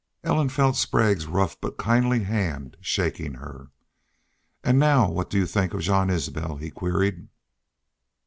Ellen felt Sprague's rough but kindly hand shaking her. "An' now what do you think of Jean Isbel?" he queried.